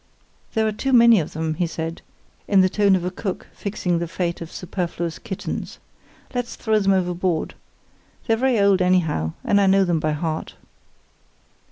"There are too many of them," he said, in the tone of a cook fixing the fate of superfluous kittens. "Let's throw them overboard. They're very old anyhow, and I know them by heart."